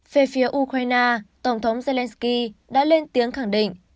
về phía ukraine tổng thống zelensky đã lên tiếng khẳng định